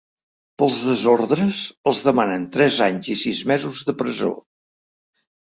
Pels desordres, els demanen tres anys i sis mesos de presó.